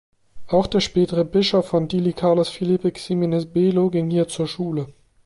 Auch der spätere Bischof von Dili Carlos Filipe Ximenes Belo ging hier zur Schule.